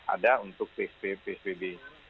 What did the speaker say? ada untuk psbb